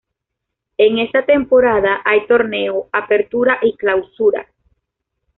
En esta temporada hay Torneo Apertura y Clausura.